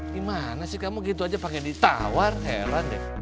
gimana sih kamu gitu aja pakai ditawar heran deh